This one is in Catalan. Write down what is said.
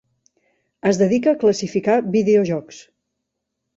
Es dedica a classificar videojocs.